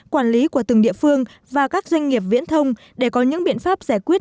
quản lý của từng địa phương và các doanh nghiệp viễn thông để có những biện pháp giải quyết